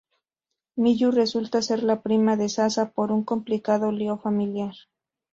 Miyu resulta ser la prima de Sasa por un complicado lío familiar.